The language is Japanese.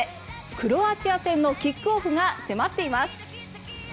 クロアチア戦のキックオフが迫っています。